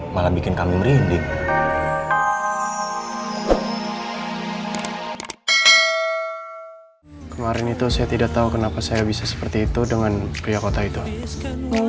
malah bikin kami merinding